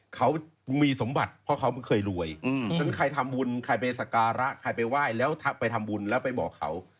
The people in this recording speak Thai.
เขามีสมบัติเพราะเขาค่อยเคยรวยใครทำบุญใครไปสกระและไปว่ายแล้วไปทำบุญและบอกเขา